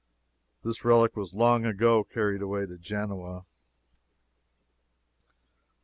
This relic was long ago carried away to Genoa.